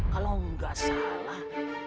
kalau gak salah